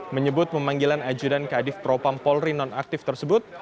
menyebut pemanggilan ajudan kadif propam polri nonaktif tersebut